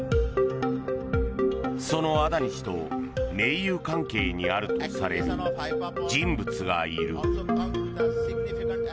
そのアダニ氏と盟友関係にあるとされる人物がいる。